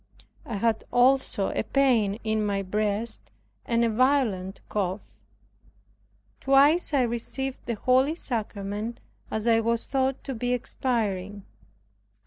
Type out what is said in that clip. I had also a pain in my breast and a violent cough. Twice I received the holy sacrament, as I was thought to be expiring.